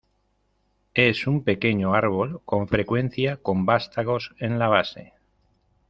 Es un pequeño árbol, con frecuencia con vástagos en la base.